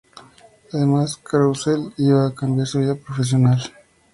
Además, "Carousel" iba a cambiar su vida personal.